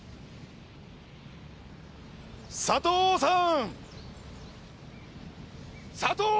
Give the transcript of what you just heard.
佐藤さん！